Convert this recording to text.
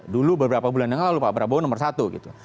dulu beberapa bulan yang lalu pak prabowo nomor satu gitu